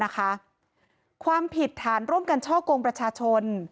ความผิดฐานร่วมกันช่อกงประชาชน